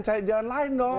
cahaya jalan lain dong